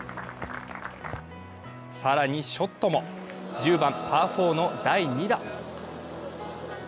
更にショットも１０番・パー４の第２打。